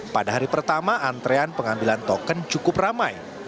pada hari pertama antrean pengambilan token cukup ramai